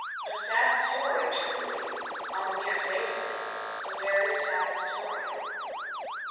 A sad story; truly, on the mere face of it, a very sad story.